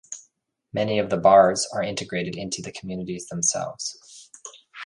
Many of the bars are integrated into the communities themselves.